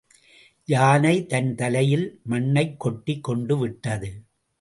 யானை தன் தலையில் மண்ணைக் கொட்டிக் கொண்டு விட்டது.